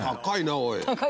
おい。